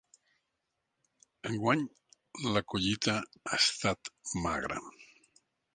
Enguany, la collita ha estat magra.